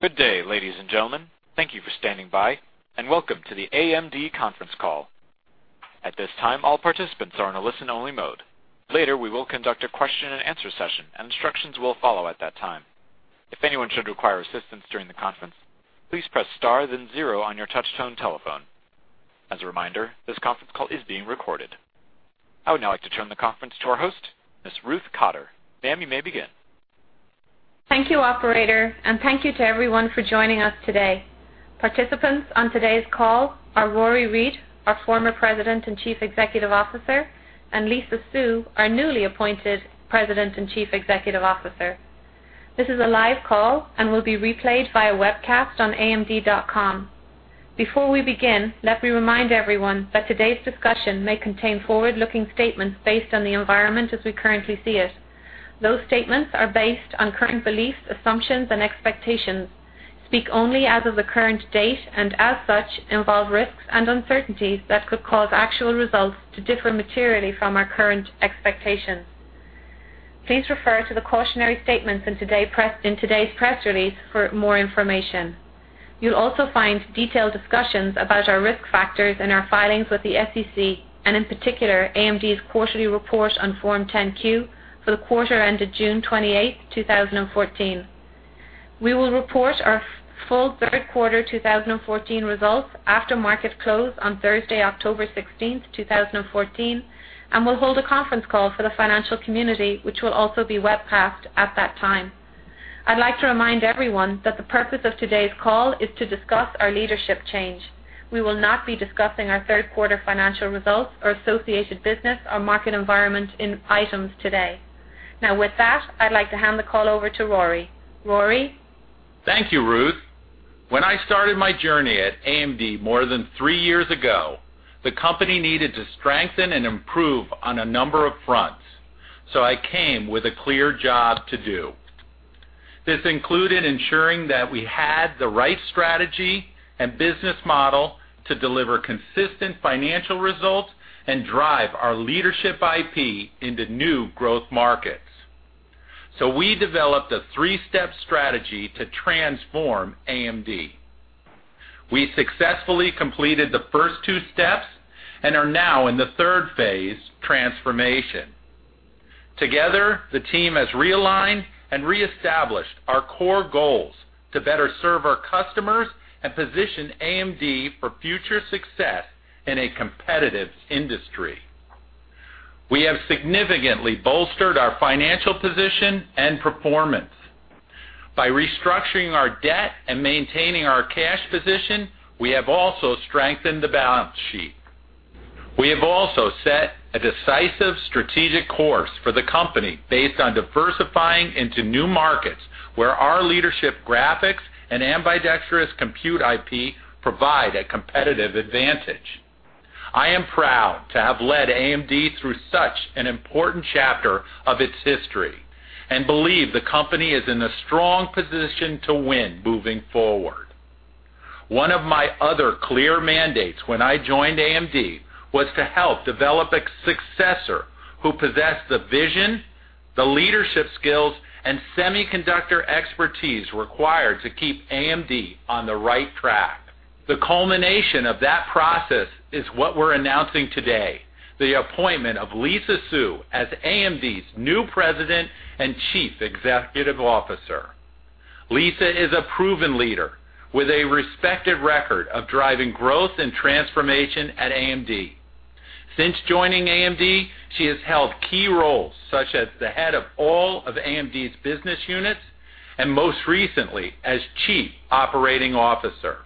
Good day, ladies and gentlemen. Thank you for standing by. Welcome to the AMD conference call. At this time, all participants are in a listen-only mode. Later, we will conduct a question and answer session. Instructions will follow at that time. If anyone should require assistance during the conference, please press star then zero on your touchtone telephone. As a reminder, this conference call is being recorded. I would now like to turn the conference to our host, Ms. Ruth Cotter. Ma'am, you may begin. Thank you, operator. Thank you to everyone for joining us today. Participants on today's call are Rory Read, our former President and Chief Executive Officer, and Lisa Su, our newly appointed President and Chief Executive Officer. This is a live call. It will be replayed via webcast on amd.com. Before we begin, let me remind everyone that today's discussion may contain forward-looking statements based on the environment as we currently see it. Those statements are based on current beliefs, assumptions, and expectations, speak only as of the current date. As such, they involve risks and uncertainties that could cause actual results to differ materially from our current expectations. Please refer to the cautionary statements in today's press release for more information. You'll also find detailed discussions about our risk factors in our filings with the SEC. In particular, AMD's quarterly report on Form 10-Q for the quarter ended June 28th, 2014. We will report our full third quarter 2014 results after markets close on Thursday, October 16th, 2014. We will hold a conference call for the financial community, which will also be webcast at that time. I'd like to remind everyone that the purpose of today's call is to discuss our leadership change. We will not be discussing our third quarter financial results or associated business or market environment items today. With that, I'd like to hand the call over to Rory. Rory? Thank you, Ruth. When I started my journey at AMD more than three years ago, the company needed to strengthen and improve on a number of fronts. I came with a clear job to do. This included ensuring that we had the right strategy and business model to deliver consistent financial results and drive our leadership IP into new growth markets. We developed a three-step strategy to transform AMD. We successfully completed the first two steps. We are now in the third phase, transformation. Together, the team has realigned and reestablished our core goals to better serve our customers and position AMD for future success in a competitive industry. We have significantly bolstered our financial position and performance. By restructuring our debt and maintaining our cash position, we have also strengthened the balance sheet. We have also set a decisive strategic course for the company based on diversifying into new markets, where our leadership graphics and ambidextrous compute IP provide a competitive advantage. I am proud to have led AMD through such an important chapter of its history and believe the company is in a strong position to win moving forward. One of my other clear mandates when I joined AMD was to help develop a successor who possessed the vision, the leadership skills, and semiconductor expertise required to keep AMD on the right track. The culmination of that process is what we're announcing today, the appointment of Lisa Su as AMD's new President and Chief Executive Officer. Lisa is a proven leader with a respected record of driving growth and transformation at AMD. Since joining AMD, she has held key roles such as the head of all of AMD's business units and most recently as Chief Operating Officer.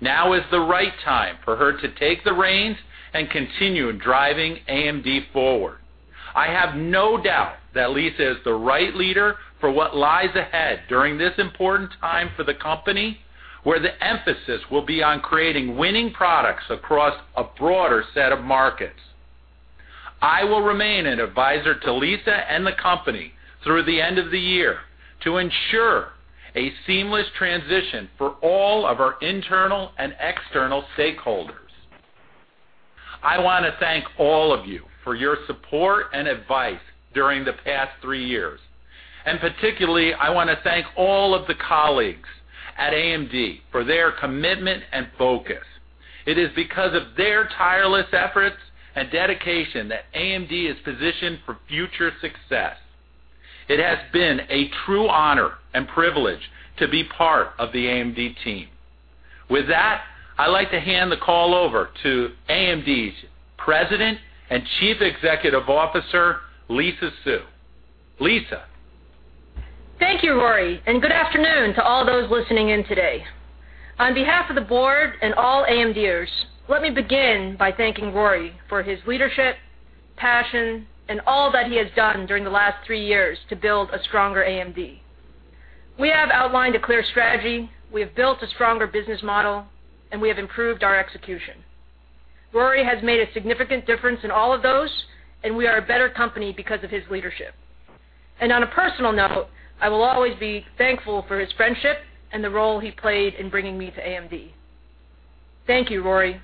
Now is the right time for her to take the reins and continue driving AMD forward. I have no doubt that Lisa is the right leader for what lies ahead during this important time for the company, where the emphasis will be on creating winning products across a broader set of markets. I will remain an advisor to Lisa and the company through the end of the year to ensure a seamless transition for all of our internal and external stakeholders. I want to thank all of you for your support and advice during the past three years. Particularly, I want to thank all of the colleagues at AMD for their commitment and focus. It is because of their tireless efforts and dedication that AMD is positioned for future success. It has been a true honor and privilege to be part of the AMD team. With that, I'd like to hand the call over to AMD's President and Chief Executive Officer, Lisa Su. Lisa? Thank you, Rory. Good afternoon to all those listening in today. On behalf of the board and all AMDers, let me begin by thanking Rory for his leadership, passion, and all that he has done during the last three years to build a stronger AMD. We have outlined a clear strategy, we have built a stronger business model, and we have improved our execution. Rory has made a significant difference in all of those, and we are a better company because of his leadership. On a personal note, I will always be thankful for his friendship and the role he played in bringing me to AMD. Thank you, Rory.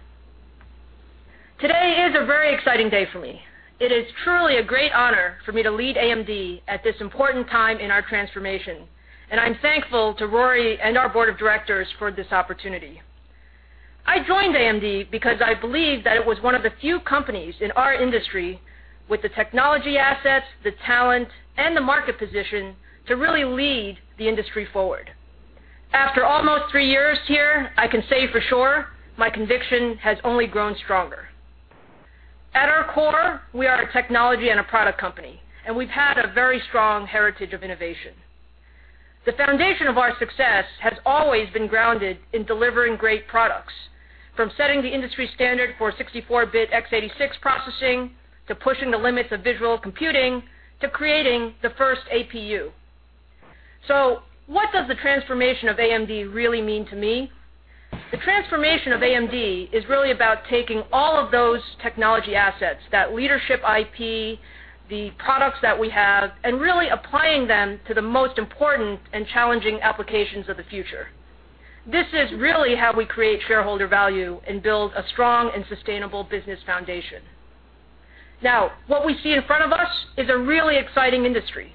Today is a very exciting day for me. It is truly a great honor for me to lead AMD at this important time in our transformation, and I'm thankful to Rory and our board of directors for this opportunity. I joined AMD because I believed that it was one of the few companies in our industry with the technology assets, the talent, and the market position to really lead the industry forward. After almost three years here, I can say for sure my conviction has only grown stronger. At our core, we are a technology and a product company, and we've had a very strong heritage of innovation. The foundation of our success has always been grounded in delivering great products. From setting the industry standard for 64-bit x86 processing, to pushing the limits of visual computing, to creating the first APU. What does the transformation of AMD really mean to me? The transformation of AMD is really about taking all of those technology assets, that leadership IP, the products that we have, and really applying them to the most important and challenging applications of the future. This is really how we create shareholder value and build a strong and sustainable business foundation. What we see in front of us is a really exciting industry.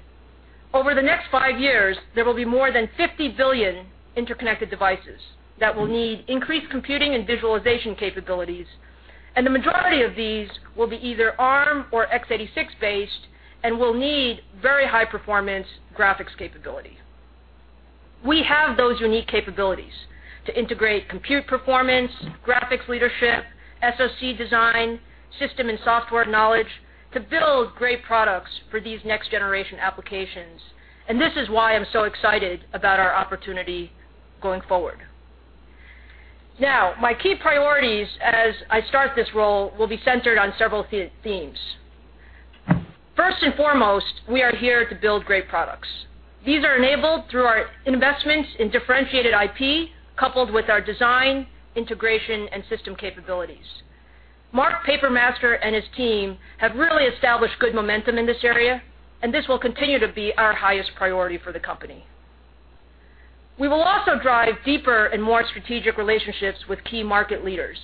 Over the next five years, there will be more than 50 billion interconnected devices that will need increased computing and visualization capabilities, and the majority of these will be either ARM or x86 based and will need very high-performance graphics capability. We have those unique capabilities to integrate compute performance, graphics leadership, SoC design, system and software knowledge to build great products for these next-generation applications. This is why I'm so excited about our opportunity going forward. My key priorities as I start this role will be centered on several themes. First and foremost, we are here to build great products. These are enabled through our investments in differentiated IP, coupled with our design, integration, and system capabilities. Mark Papermaster and his team have really established good momentum in this area, and this will continue to be our highest priority for the company. We will also drive deeper and more strategic relationships with key market leaders.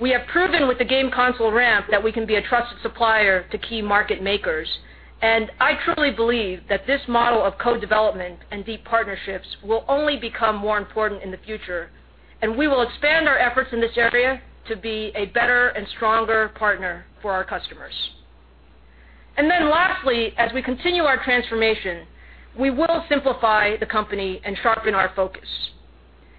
We have proven with the game console ramp that we can be a trusted supplier to key market makers. I truly believe that this model of co-development and deep partnerships will only become more important in the future, and we will expand our efforts in this area to be a better and stronger partner for our customers. Lastly, as we continue our transformation, we will simplify the company and sharpen our focus.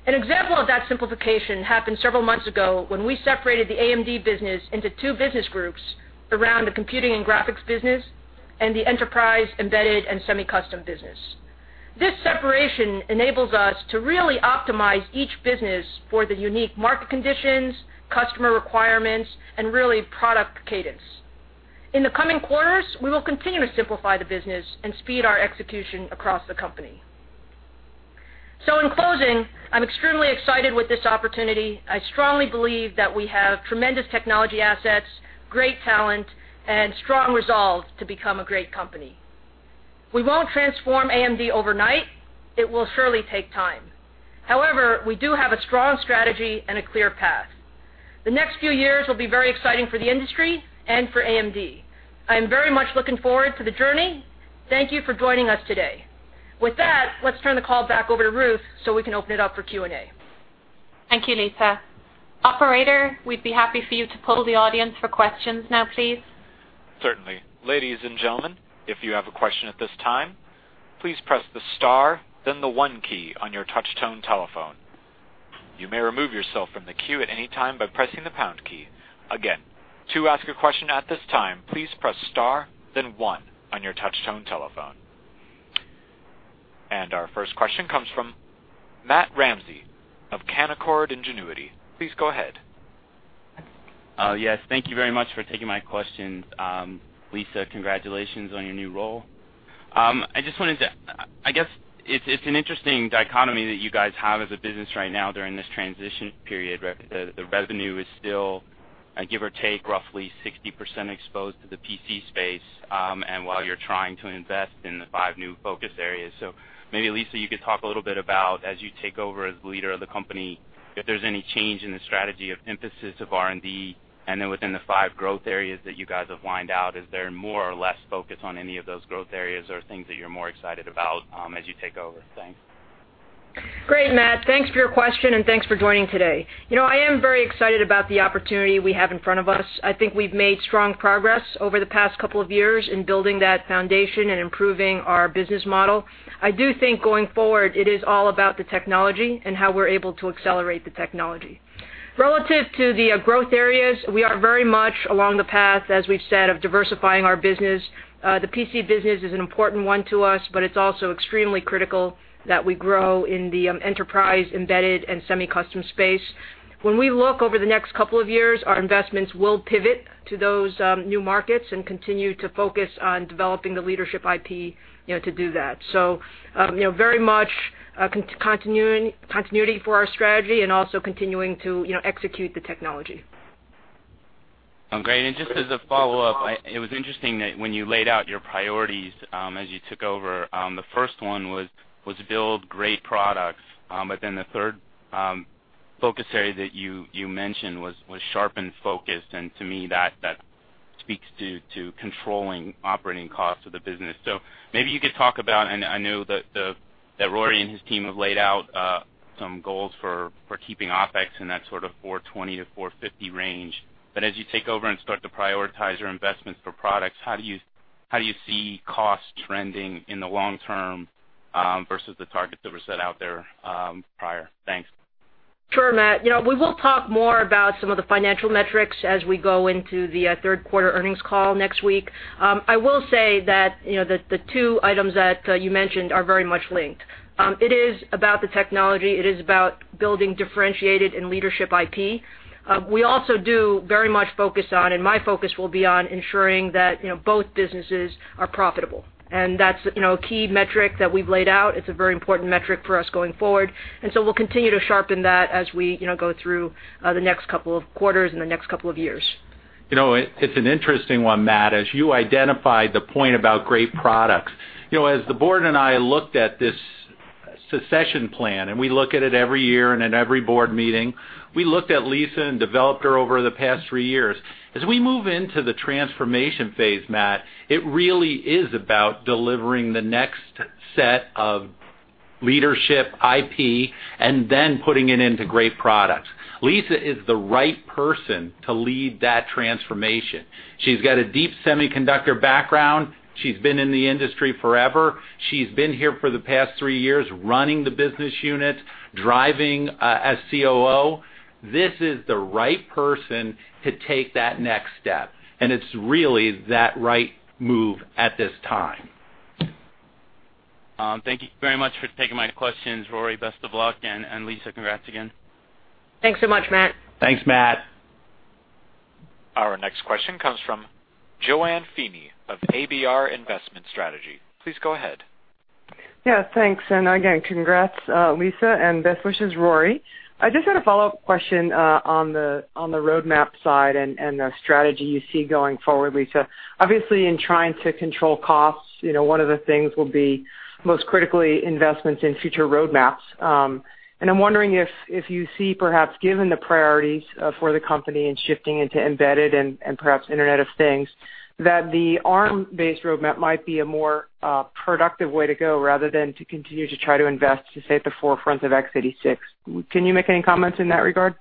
An example of that simplification happened several months ago when we separated the AMD business into two business groups around the computing and graphics business and the enterprise, embedded, and semi-custom business. This separation enables us to really optimize each business for the unique market conditions, customer requirements, and really product cadence. In the coming quarters, we will continue to simplify the business and speed our execution across the company. In closing, I'm extremely excited with this opportunity. I strongly believe that we have tremendous technology assets, great talent, and strong resolve to become a great company. We won't transform AMD overnight. It will surely take time. However, we do have a strong strategy and a clear path. The next few years will be very exciting for the industry and for AMD. I am very much looking forward to the journey. Thank you for joining us today. With that, let's turn the call back over to Ruth so we can open it up for Q&A. Thank you, Lisa. Operator, we'd be happy for you to poll the audience for questions now, please. Certainly. Ladies and gentlemen, if you have a question at this time, please press the star, then the one key on your touch tone telephone. You may remove yourself from the queue at any time by pressing the pound key. Again, to ask a question at this time, please press star, then one on your touch tone telephone. Our first question comes from Matthew Ramsay of Canaccord Genuity. Please go ahead. Yes. Thank you very much for taking my questions. Lisa, congratulations on your new role. I guess it's an interesting dichotomy that you guys have as a business right now during this transition period. The revenue is still, give or take, roughly 60% exposed to the PC space, while you're trying to invest in the five new focus areas. Maybe, Lisa, you could talk a little bit about, as you take over as leader of the company, if there's any change in the strategy of emphasis of R&D, then within the five growth areas that you guys have lined out, is there more or less focus on any of those growth areas or things that you're more excited about as you take over? Thanks. Great, Matt. Thanks for your question and thanks for joining today. I am very excited about the opportunity we have in front of us. I think we've made strong progress over the past couple of years in building that foundation and improving our business model. I do think going forward, it is all about the technology and how we're able to accelerate the technology. Relative to the growth areas, we are very much along the path, as we've said, of diversifying our business. The PC business is an important one to us, but it's also extremely critical that we grow in the enterprise, embedded, and semi-custom space. When we look over the next couple of years, our investments will pivot to those new markets and continue to focus on developing the leadership IP to do that. Very much continuity for our strategy and also continuing to execute the technology. Just as a follow-up, it was interesting that when you laid out your priorities as you took over, the first one was build great products. The third focus area that you mentioned was sharpened focus, and to me, that speaks to controlling operating costs of the business. Maybe you could talk about, and I know that Rory and his team have laid out some goals for keeping OpEx in that $420 million-$450 million range. As you take over and start to prioritize your investments for products, how do you see costs trending in the long term versus the targets that were set out there prior? Thanks. Sure, Matt. We will talk more about some of the financial metrics as we go into the third quarter earnings call next week. I will say that the two items that you mentioned are very much linked. It is about the technology. It is about building differentiated and leadership IP. We also do very much focus on, and my focus will be on ensuring that both businesses are profitable. That's a key metric that we've laid out. It's a very important metric for us going forward. We'll continue to sharpen that as we go through the next couple of quarters and the next couple of years. It's an interesting one, Matt. As you identified the point about great products, as the board and I looked at this succession plan, and we look at it every year and at every board meeting. We looked at Lisa and developed her over the past three years. As we move into the transformation phase, Matt, it really is about delivering the next set of leadership IP and then putting it into great products. Lisa is the right person to lead that transformation. She's got a deep semiconductor background. She's been in the industry forever. She's been here for the past three years running the business unit, driving as COO. This is the right person to take that next step, and it's really that right move at this time. Thank you very much for taking my questions, Rory. Best of luck, and Lisa, congrats again. Thanks so much, Matt. Thanks, Matt. Our next question comes from JoAnne Feeney of ABR Investment Strategy. Please go ahead. Yeah, thanks, and again, congrats, Lisa, and best wishes, Rory. I just had a follow-up question on the roadmap side and the strategy you see going forward, Lisa. Obviously, in trying to control costs, one of the things will be most critically investments in future roadmaps. I'm wondering if you see perhaps, given the priorities for the company and shifting into embedded and perhaps Internet of Things, that the ARM-based roadmap might be a more productive way to go rather than to continue to try to invest to stay at the forefront of x86. Can you make any comments in that regard?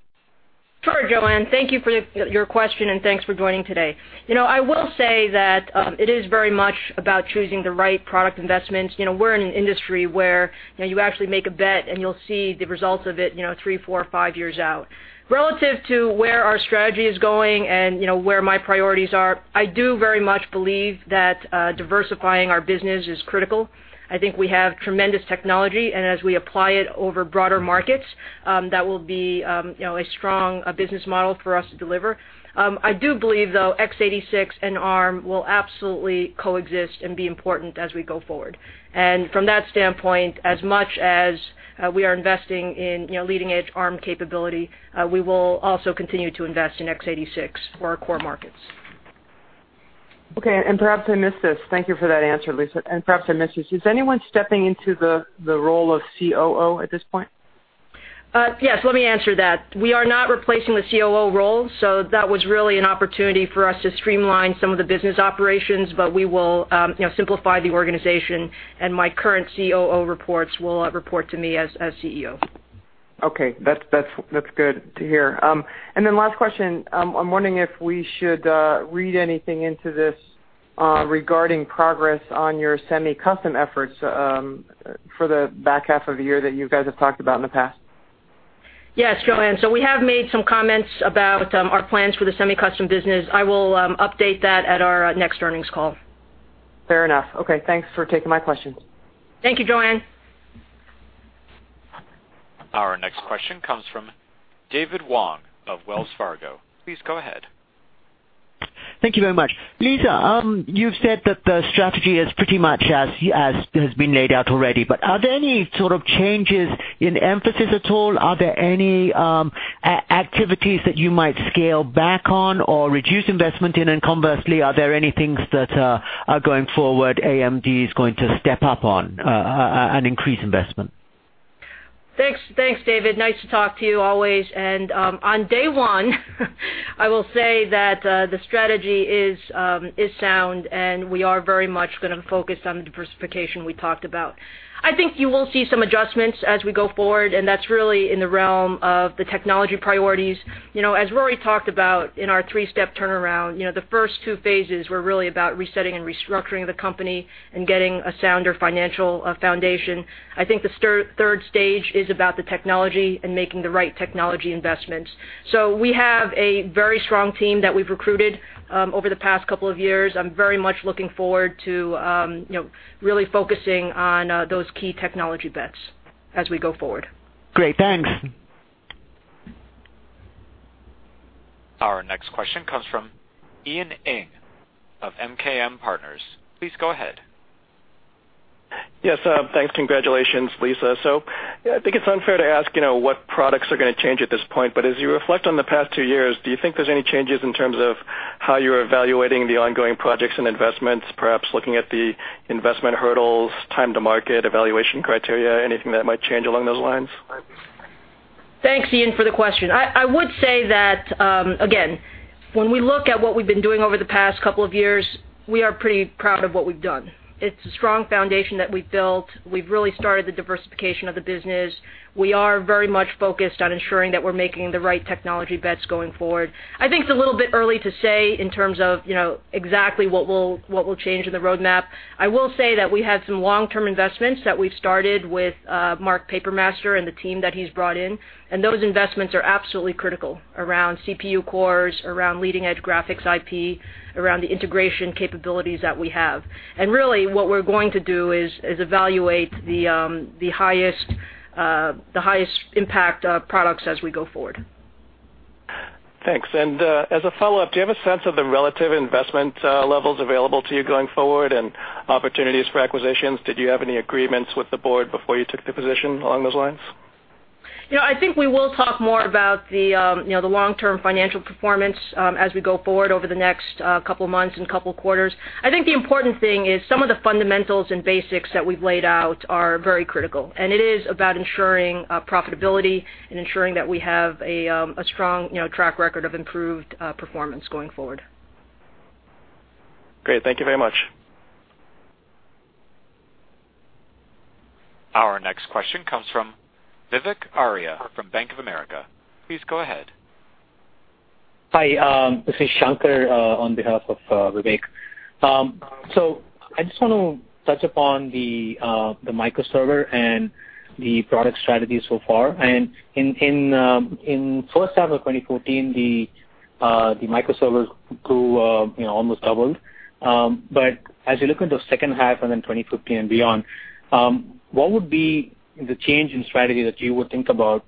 Sure, JoAnne. Thank you for your question and thanks for joining today. I will say that it is very much about choosing the right product investments. We're in an industry where you actually make a bet, and you'll see the results of it three, four, five years out. Relative to where our strategy is going and where my priorities are, I do very much believe that diversifying our business is critical. I think we have tremendous technology, and as we apply it over broader markets, that will be a strong business model for us to deliver. I do believe, though, x86 and ARM will absolutely coexist and be important as we go forward. From that standpoint, as much as we are investing in leading-edge ARM capability, we will also continue to invest in X86 for our core markets. Okay, perhaps I missed this. Thank you for that answer, Lisa. Perhaps I missed this. Is anyone stepping into the role of COO at this point? Yes, let me answer that. We are not replacing the COO role, That was really an opportunity for us to streamline some of the business operations, We will simplify the organization, My current COO reports will report to me as CEO. Okay. That's good to hear. Last question, I'm wondering if we should read anything into this regarding progress on your semi-custom efforts for the back half of the year that you guys have talked about in the past. Yes, JoAnne. We have made some comments about our plans for the semi-custom business. I will update that at our next earnings call. Fair enough. Okay, thanks for taking my questions. Thank you, JoAnne. Our next question comes from David Wong of Wells Fargo. Please go ahead. Thank you very much. Lisa, you've said that the strategy is pretty much as has been laid out already. Are there any sort of changes in emphasis at all? Are there any activities that you might scale back on or reduce investment in? Conversely, are there any things that are going forward AMD is going to step up on and increase investment? Thanks, David. Nice to talk to you always. On day one I will say that the strategy is sound, and we are very much going to focus on the diversification we talked about. I think you will see some adjustments as we go forward, and that's really in the realm of the technology priorities. As Rory talked about in our three-step turnaround, the first two phases were really about resetting and restructuring the company and getting a sounder financial foundation. I think the third stage is about the technology and making the right technology investments. We have a very strong team that we've recruited over the past couple of years. I'm very much looking forward to really focusing on those key technology bets as we go forward. Great. Thanks. Our next question comes from Ian Ing of MKM Partners. Please go ahead. Yes. Thanks. Congratulations, Lisa. I think it's unfair to ask what products are going to change at this point, but as you reflect on the past 2 years, do you think there's any changes in terms of how you're evaluating the ongoing projects and investments, perhaps looking at the investment hurdles, time to market, evaluation criteria, anything that might change along those lines? Thanks, Ian, for the question. I would say that, again, when we look at what we've been doing over the past couple of years, we are pretty proud of what we've done. It's a strong foundation that we've built. We've really started the diversification of the business. We are very much focused on ensuring that we're making the right technology bets going forward. I think it's a little bit early to say in terms of exactly what will change in the roadmap. I will say that we have some long-term investments that we've started with Mark Papermaster and the team that he's brought in, and those investments are absolutely critical around CPU cores, around leading edge graphics IP, around the integration capabilities that we have. Really what we're going to do is evaluate the highest impact products as we go forward. Thanks. As a follow-up, do you have a sense of the relative investment levels available to you going forward and opportunities for acquisitions? Did you have any agreements with the board before you took the position along those lines? I think we will talk more about the long-term financial performance as we go forward over the next couple of months and couple of quarters. I think the important thing is some of the fundamentals and basics that we've laid out are very critical, and it is about ensuring profitability and ensuring that we have a strong track record of improved performance going forward. Great. Thank you very much. Our next question comes from Vivek Arya from Bank of America. Please go ahead. Hi. This is Shankar on behalf of Vivek. I just want to touch upon the micro server and the product strategy so far. In first half of 2014, the micro server grew, almost doubled. As you look at the second half and then 2015 and beyond, what would be the change in strategy that you would think about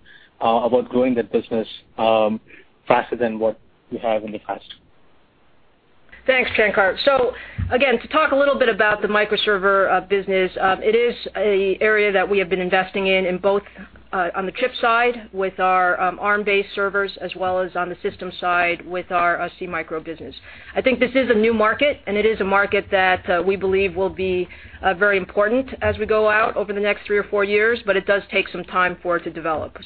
growing the business faster than what you have in the past? Thanks, Shankar. Again, to talk a little bit about the micro server business, it is an area that we have been investing in, both on the chip side with our ARM-based servers as well as on the system side with our SeaMicro business. I think this is a new market, and it is a market that we believe will be very important as we go out over the next three or four years, but it does take some time for it to develop.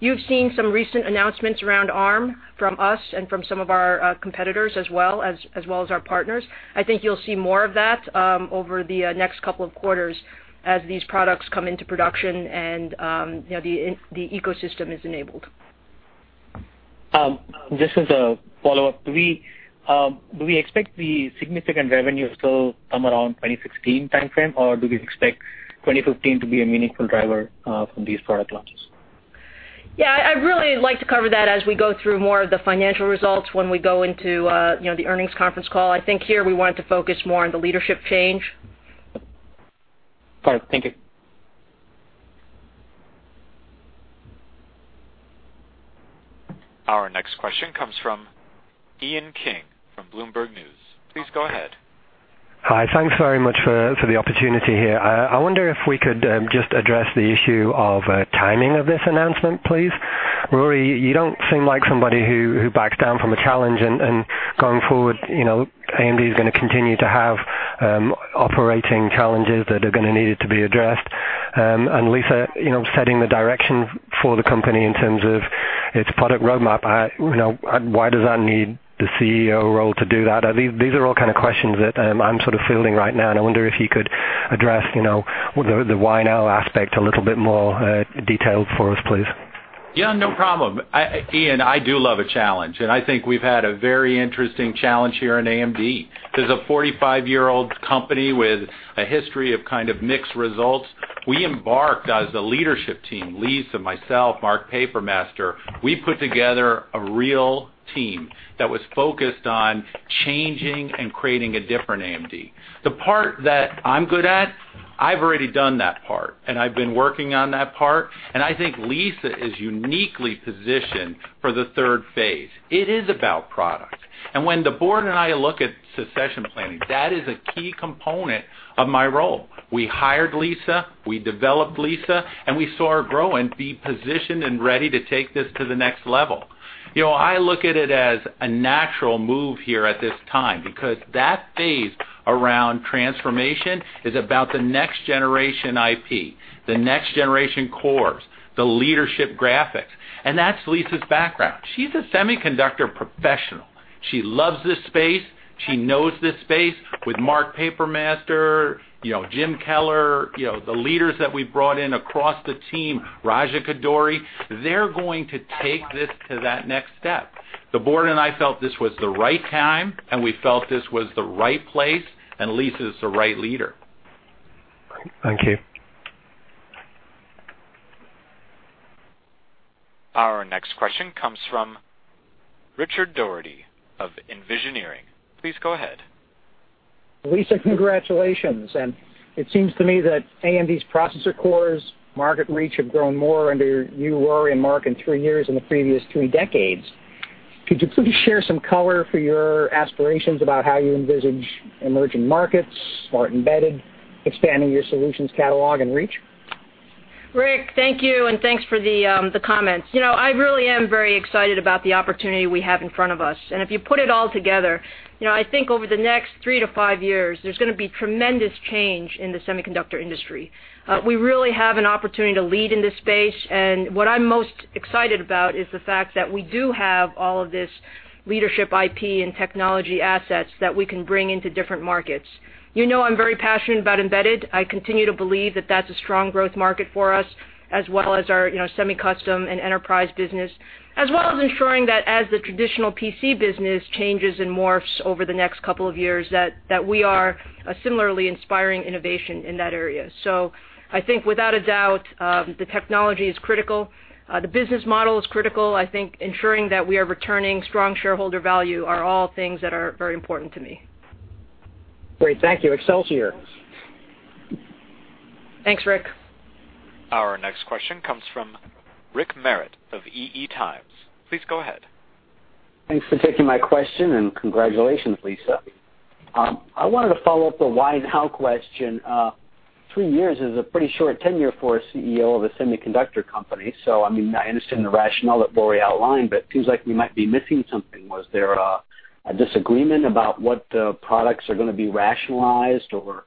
You've seen some recent announcements around ARM from us and from some of our competitors as well as our partners. I think you'll see more of that over the next couple of quarters as these products come into production and the ecosystem is enabled. Just as a follow-up, do we expect the significant revenue still come around 2016 timeframe, or do we expect 2015 to be a meaningful driver from these product launches? Yeah, I'd really like to cover that as we go through more of the financial results when we go into the earnings conference call. I think here we wanted to focus more on the leadership change. All right. Thank you. Our next question comes from Ian King from Bloomberg News. Please go ahead. Hi. Thanks very much for the opportunity here. I wonder if we could just address the issue of timing of this announcement, please. Rory, you don't seem like somebody who backs down from a challenge, going forward, AMD is going to continue to have operating challenges that are going to need to be addressed. Lisa, setting the direction for the company in terms of its product roadmap, why does that need the CEO role to do that? These are all kind of questions that I'm sort of fielding right now, and I wonder if you could address the why now aspect a little bit more detailed for us, please. Yeah, no problem. Ian, I do love a challenge, I think we've had a very interesting challenge here in AMD. This is a 45-year-old company with a history of kind of mixed results. We embarked as a leadership team, Lisa, myself, Mark Papermaster. We put together a real team that was focused on changing and creating a different AMD. The part that I'm good at, I've already done that part, I've been working on that part, I think Lisa is uniquely positioned for the third phase. It is about product. When the board and I look at succession planning, that is a key component of my role. We hired Lisa, we developed Lisa, we saw her grow and be positioned and ready to take this to the next level. I look at it as a natural move here at this time because that phase around transformation is about the next generation IP, the next generation cores, the leadership graphics, that's Lisa's background. She's a semiconductor professional. She loves this space. She knows this space. With Mark Papermaster, Jim Keller, the leaders that we've brought in across the team, Raja Koduri, they're going to take this to that next step. The board and I felt this was the right time, we felt this was the right place, Lisa is the right leader. Thank you. Our next question comes from Richard Doherty of Envisioneering. Please go ahead. Lisa, congratulations. It seems to me that AMD's processor cores market reach have grown more under you, Rory, and Mark in three years than the previous two decades. Could you please share some color for your aspirations about how you envisage emerging markets, smart embedded, expanding your solutions catalog, and reach? Rick, thank you. Thanks for the comments. I really am very excited about the opportunity we have in front of us. If you put it all together, I think over the next three to five years, there's going to be tremendous change in the semiconductor industry. We really have an opportunity to lead in this space, and what I'm most excited about is the fact that we do have all of this leadership IP and technology assets that we can bring into different markets. You know I'm very passionate about embedded. I continue to believe that that's a strong growth market for us, as well as our semi-custom and enterprise business, as well as ensuring that as the traditional PC business changes and morphs over the next couple of years, that we are similarly inspiring innovation in that area. I think without a doubt, the technology is critical. The business model is critical. I think ensuring that we are returning strong shareholder value are all things that are very important to me. Great. Thank you. Excelsior. Thanks, Rick. Our next question comes from Rick Merritt of EE Times. Please go ahead. Thanks for taking my question, and congratulations, Lisa. I wanted to follow up the why now question. Three years is a pretty short tenure for a CEO of a semiconductor company. I understand the rationale that Rory outlined, but it seems like we might be missing something. Was there a disagreement about what products are going to be rationalized or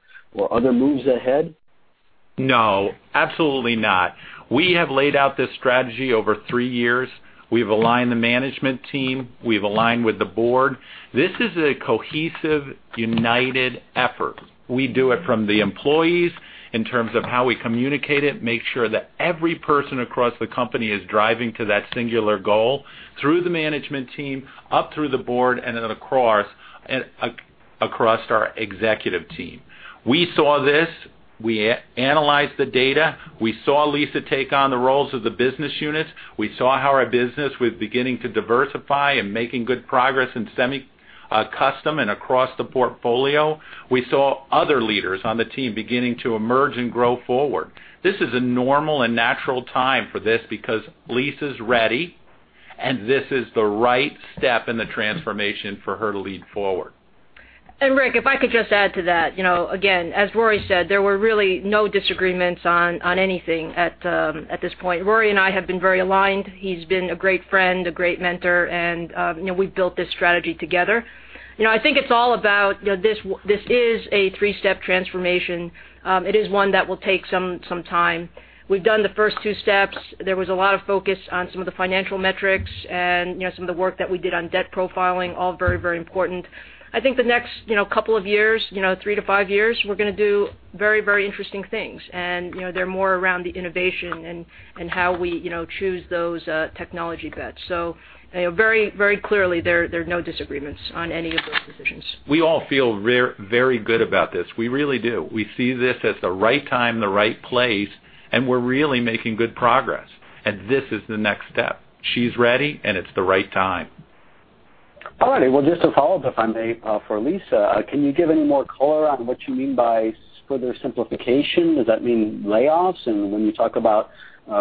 other moves ahead? No, absolutely not. We have laid out this strategy over three years. We've aligned the management team. We've aligned with the board. This is a cohesive, united effort. We do it from the employees in terms of how we communicate it, make sure that every person across the company is driving to that singular goal through the management team, up through the board, across our executive team. We saw this, we analyzed the data. We saw Lisa take on the roles of the business units. We saw how our business was beginning to diversify and making good progress in semi-custom and across the portfolio. We saw other leaders on the team beginning to emerge and grow forward. This is a normal and natural time for this because Lisa's ready, and this is the right step in the transformation for her to lead forward. Rick, if I could just add to that. Again, as Rory said, there were really no disagreements on anything at this point. Rory and I have been very aligned. He's been a great friend, a great mentor, and we've built this strategy together. I think it's all about this is a three-step transformation. It is one that will take some time. We've done the first two steps. There was a lot of focus on some of the financial metrics and some of the work that we did on debt profiling, all very important. I think the next couple of years, three to five years, we're going to do very interesting things, and they're more around the innovation and how we choose those technology bets. Very clearly, there are no disagreements on any of those decisions. We all feel very good about this. We really do. We see this as the right time, the right place, and we're really making good progress. This is the next step. She's ready, and it's the right time. Well, just to follow up, if I may, for Lisa Su. Can you give any more color on what you mean by further simplification? Does that mean layoffs? When you talk about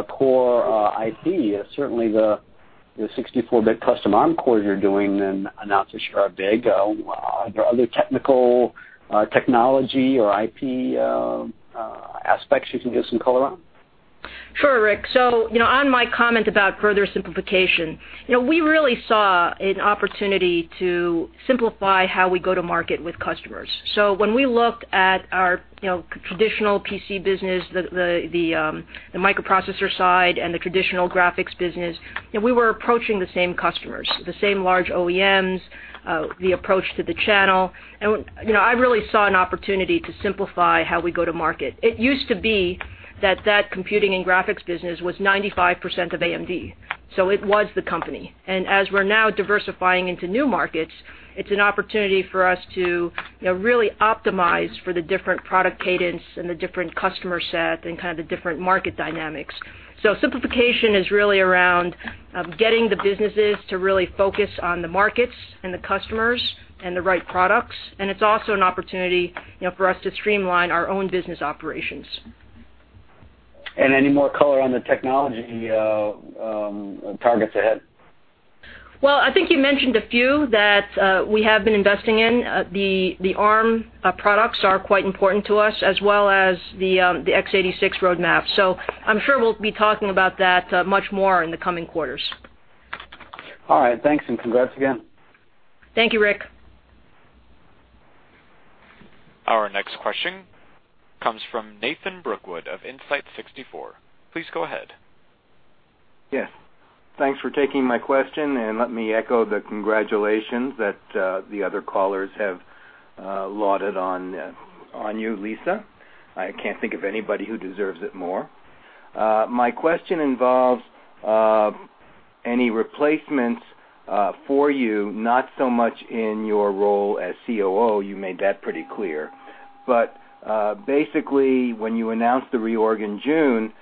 core IP, certainly the 64-bit custom ARM core you're doing and not so sure are big. Are there other technical technology or IP aspects you can give some color on? Sure, Rick Merritt. On my comment about further simplification. We really saw an opportunity to simplify how we go to market with customers. When we looked at our traditional PC business, the microprocessor side, and the traditional graphics business, we were approaching the same customers, the same large OEMs, the approach to the channel, I really saw an opportunity to simplify how we go to market. It used to be that that computing and graphics business was 95% of AMD. It was the company. As we're now diversifying into new markets, it's an opportunity for us to really optimize for the different product cadence and the different customer set and the different market dynamics. Simplification is really around getting the businesses to really focus on the markets and the customers and the right products. It's also an opportunity for us to streamline our own business operations. Any more color on the technology targets ahead? Well, I think you mentioned a few that we have been investing in. The ARM products are quite important to us, as well as the x86 roadmap. I'm sure we'll be talking about that much more in the coming quarters. All right. Thanks, and congrats again. Thank you, Rick. Our next question comes from Nathan Brookwood of Insight64. Please go ahead. Yes. Thanks for taking my question, and let me echo the congratulations that the other callers have lauded on you, Lisa. I can't think of anybody who deserves it more. My question involves any replacements for you, not so much in your role as COO, you made that pretty clear. Basically, when you announced the reorg in June,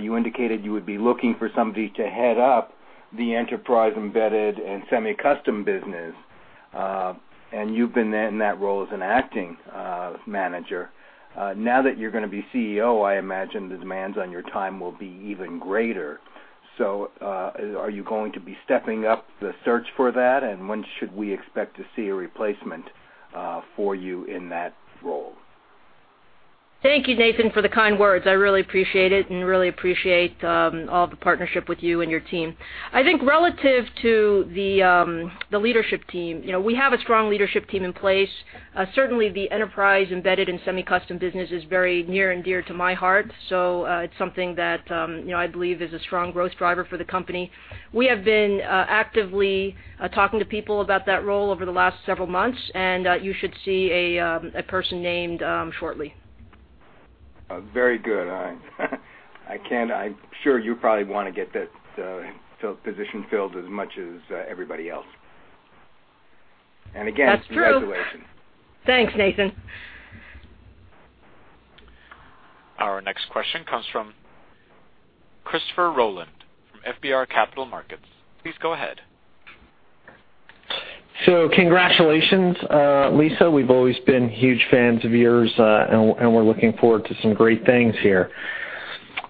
you indicated you would be looking for somebody to head up the enterprise embedded and semi-custom business. You've been in that role as an acting manager. Now that you're going to be CEO, I imagine the demands on your time will be even greater. Are you going to be stepping up the search for that? When should we expect to see a replacement for you in that role? Thank you, Nathan, for the kind words. I really appreciate it, and really appreciate all the partnership with you and your team. I think relative to the leadership team, we have a strong leadership team in place. Certainly, the enterprise embedded in semi-custom business is very near and dear to my heart. It's something that I believe is a strong growth driver for the company. We have been actively talking to people about that role over the last several months, and you should see a person named shortly. Very good. I'm sure you probably want to get that position filled as much as everybody else. That's true congratulations. Thanks, Nathan. Our next question comes from Christopher Rolland from FBR Capital Markets. Please go ahead. Congratulations, Lisa. We've always been huge fans of yours, and we're looking forward to some great things here.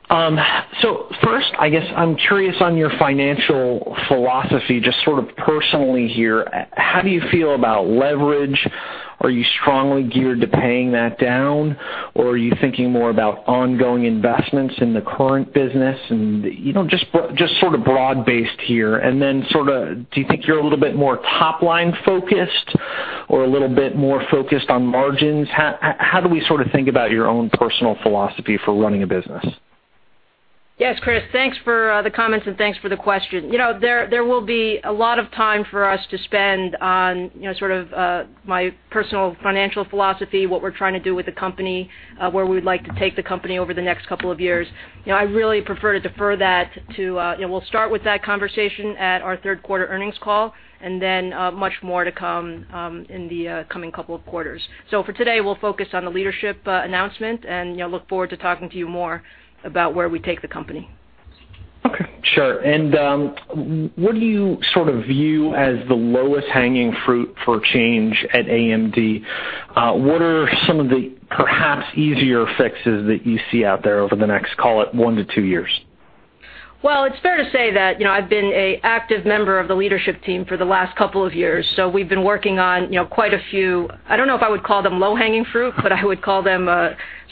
First, I guess, I'm curious on your financial philosophy, just personally here. How do you feel about leverage? Are you strongly geared to paying that down? Or are you thinking more about ongoing investments in the current business? Just broad-based here. Then do you think you're a little bit more top-line focused or a little bit more focused on margins? How do we think about your own personal philosophy for running a business? Yes, Chris, thanks for the comments and thanks for the question. There will be a lot of time for us to spend on my personal financial philosophy, what we're trying to do with the company, where we'd like to take the company over the next couple of years. I really prefer to defer that to. We'll start with that conversation at our third-quarter earnings call, and then much more to come in the coming couple of quarters. For today, we'll focus on the leadership announcement, and look forward to talking to you more about where we take the company. Okay. Sure. What do you view as the lowest hanging fruit for change at AMD? What are some of the perhaps easier fixes that you see out there over the next, call it one to two years? Well, it's fair to say that I've been an active member of the leadership team for the last couple of years, we've been working on quite a few, I don't know if I would call them low-hanging fruit, but I would call them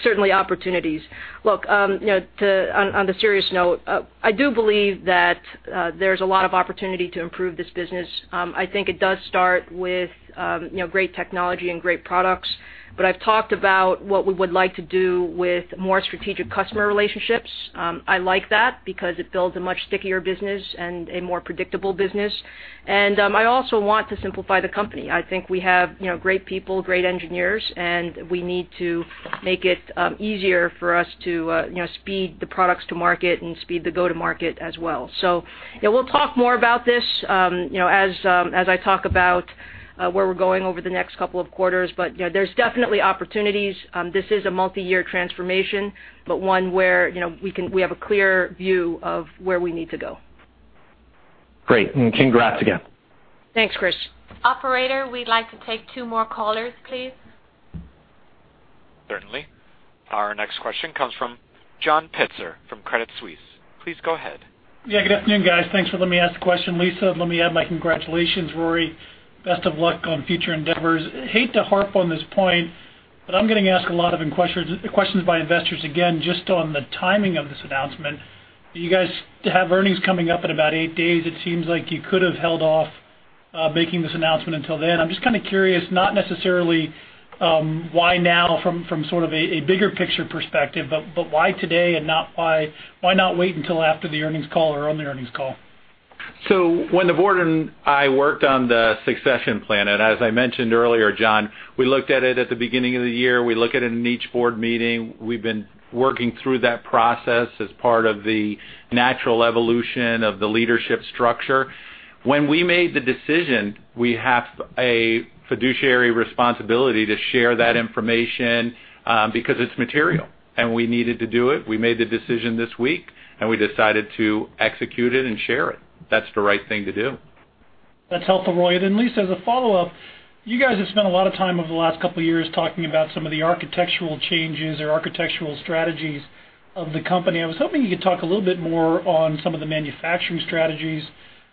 certainly opportunities. Look, on the serious note, I do believe that there's a lot of opportunity to improve this business. I think it does start with great technology and great products. I've talked about what we would like to do with more strategic customer relationships. I like that because it builds a much stickier business and a more predictable business. I also want to simplify the company. I think we have great people, great engineers, and we need to make it easier for us to speed the products to market and speed the go-to market as well. We'll talk more about this as I talk about where we're going over the next couple of quarters. There's definitely opportunities. This is a multi-year transformation, but one where we have a clear view of where we need to go. Great, congrats again. Thanks, Chris. Operator, we'd like to take two more callers, please. Certainly. Our next question comes from John Pitzer from Credit Suisse. Please go ahead. Yeah, good afternoon, guys. Thanks for letting me ask the question. Lisa Su, let me add my congratulations. Rory Read, best of luck on future endeavors. Hate to harp on this point, I'm getting asked a lot of questions by investors again, just on the timing of this announcement. You guys have earnings coming up in about eight days. It seems like you could have held off making this announcement until then. I'm just curious, not necessarily why now from sort of a bigger picture perspective, but why today and why not wait until after the earnings call or on the earnings call? When the board and I worked on the succession plan, as I mentioned earlier, John Pitzer, we looked at it at the beginning of the year. We look at it in each board meeting. We've been working through that process as part of the natural evolution of the leadership structure. When we made the decision, we have a fiduciary responsibility to share that information, because it's material, we needed to do it. We made the decision this week, we decided to execute it and share it. That's the right thing to do. That's helpful, Rory Read. Lisa Su, as a follow-up, you guys have spent a lot of time over the last couple of years talking about some of the architectural changes or architectural strategies of the company. I was hoping you could talk a little bit more on some of the manufacturing strategies,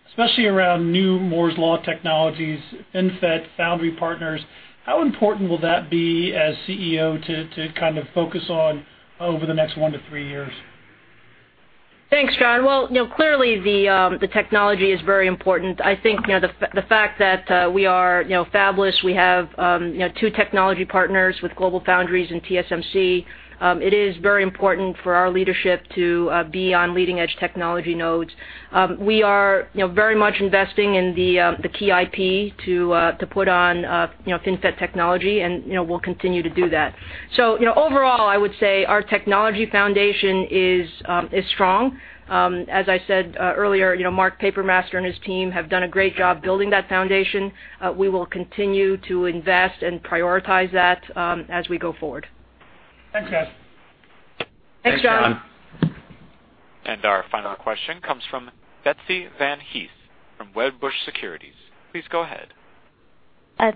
especially around new Moore's Law technologies, FinFET, foundry partners. How important will that be as CEO to kind of focus on over the next one to three years? Thanks, John Pitzer. Well, clearly the technology is very important. I think the fact that we are fabless, we have two technology partners with GlobalFoundries and TSMC. It is very important for our leadership to be on leading-edge technology nodes. We are very much investing in the key IP to put on FinFET technology, we'll continue to do that. Overall, I would say our technology foundation is strong. As I said earlier, Mark Papermaster and his team have done a great job building that foundation. We will continue to invest and prioritize that as we go forward. Thanks, guys. Thanks, John. Our final question comes from Betsy Van Hees from Wedbush Securities. Please go ahead.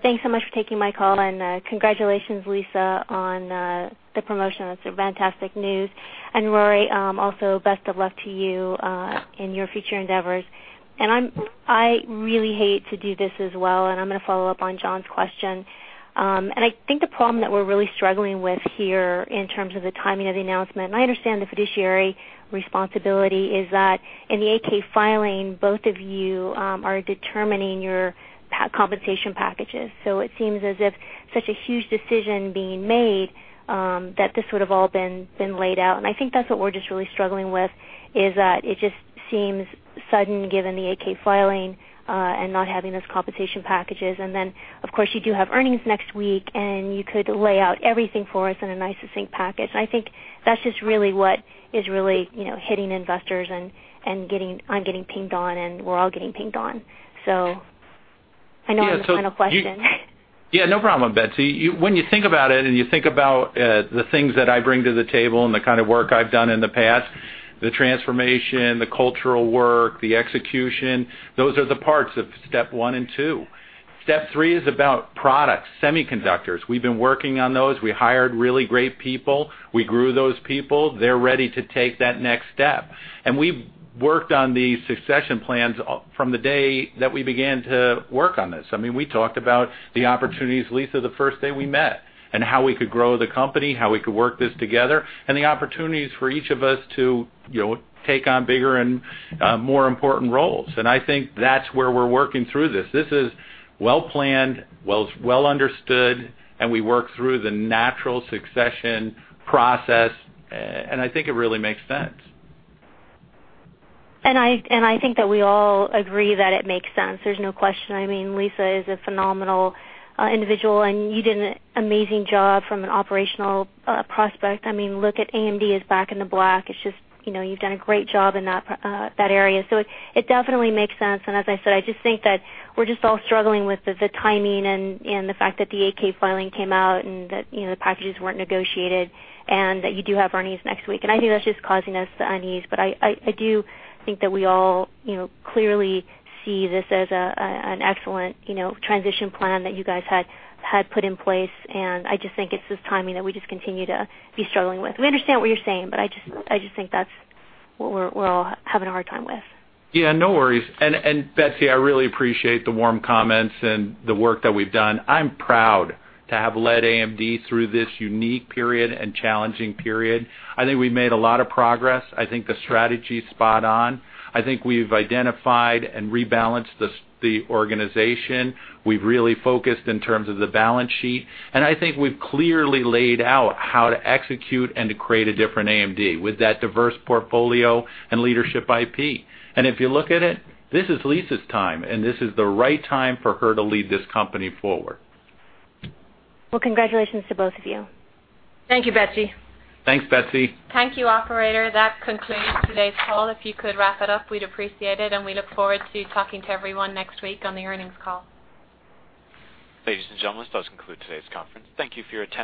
Thanks so much for taking my call, and congratulations, Lisa, on the promotion. That's fantastic news. Rory, also, best of luck to you in your future endeavors. I really hate to do this as well, and I'm going to follow up on John's question. I think the problem that we're really struggling with here in terms of the timing of the announcement, and I understand the fiduciary responsibility, is that in the 8-K filing, both of you are determining your compensation packages. It seems as if such a huge decision being made, that this would have all been laid out, and I think that's what we're just really struggling with, is that it just seems sudden given the 8-K filing, and not having those compensation packages. Then, of course, you do have earnings next week, and you could lay out everything for us in a nice, succinct package. I think that's just really what is really hitting investors and I'm getting pinged on and we're all getting pinged on. I know I'm the final question. Yeah, no problem, Betsy. When you think about it and you think about the things that I bring to the table and the kind of work I've done in the past, the transformation, the cultural work, the execution, those are the parts of step 1 and 2. Step 3 is about products, semiconductors. We've been working on those. We hired really great people. We grew those people. They're ready to take that next step. We've worked on the succession plans from the day that we began to work on this. We talked about the opportunities, Lisa, the first day we met, and how we could grow the company, how we could work this together, and the opportunities for each of us to take on bigger and more important roles. I think that's where we're working through this. This is well-planned, well understood, we worked through the natural succession process, I think it really makes sense. I think that we all agree that it makes sense. There's no question. Lisa is a phenomenal individual, and you did an amazing job from an operational prospect. Look at AMD is back in the black. You've done a great job in that area. It definitely makes sense. As I said, I just think that we're just all struggling with the timing and the fact that the 8-K filing came out, and that the packages weren't negotiated, and that you do have earnings next week. I know that's just causing us the unease, I do think that we all clearly see this as an excellent transition plan that you guys had put in place, I just think it's this timing that we just continue to be struggling with. We understand what you're saying, but I just think that's what we're all having a hard time with. Yeah, no worries. Betsy, I really appreciate the warm comments and the work that we've done. I'm proud to have led AMD through this unique period and challenging period. I think we made a lot of progress. I think the strategy's spot on. I think we've identified and rebalanced the organization. We've really focused in terms of the balance sheet. I think we've clearly laid out how to execute and to create a different AMD with that diverse portfolio and leadership IP. If you look at it, this is Lisa's time, and this is the right time for her to lead this company forward. Well, congratulations to both of you. Thank you, Betsy. Thanks, Betsy. Thank you, operator. That concludes today's call. If you could wrap it up, we'd appreciate it, and we look forward to talking to everyone next week on the earnings call. Ladies and gentlemen, this does conclude today's conference. Thank you for your attendance.